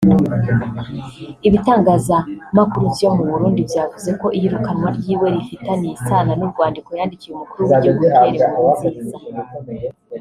Ibitangazamakuru vyo mu Burundi vyavuze ko iyirukanwa ryiwe rifitaniye isana n'urwandiko yandikiye umukuru w'igihugu Pierre Nkurunziza